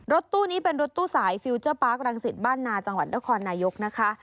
รถตู้นี้เป็นรถตู้สายฟิลเจอร์ปาร์ครังสิตบ้านนาจังหวัดนครนายกนะคะ